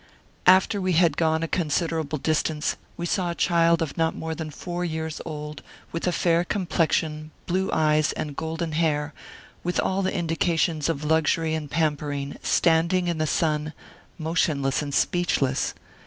After we had gone a considerable distance we saw a child of not more than four years old, with a fair complexion, blue eyes, and golden hair, with all the indications of luxury and pampering, standing in the sun, motion less and speechless.